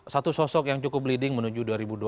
satu sosok yang cukup leading menuju dua ribu dua puluh empat